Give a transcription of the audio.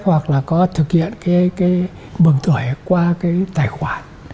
hoặc là có thực hiện cái bường thổi qua cái tài khoản